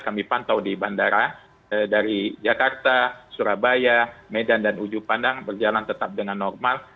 kami pantau di bandara dari jakarta surabaya medan dan ujung pandang berjalan tetap dengan normal